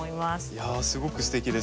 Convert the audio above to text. いやあすごくすてきです。